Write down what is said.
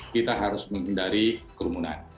kita harus menghindari kerumunan